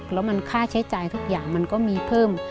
แล้วมันค่าใช้จ่ายทุกอย่างมันก็มีเพิ่ม